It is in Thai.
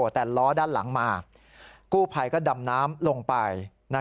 แต่ล้อด้านหลังมากู้ภัยก็ดำน้ำลงไป